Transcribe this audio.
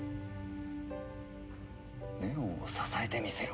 祢音を支えてみせろ。